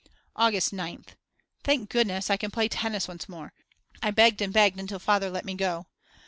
August 9th. Thank goodness, I can play tennis once more; I begged and begged until Father let me go.